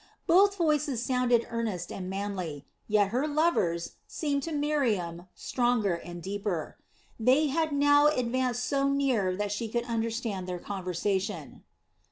Both voices sounded earnest and manly, yet her lover's seemed to Miriam stronger and deeper. They had now advanced so near that she could understand their conversation.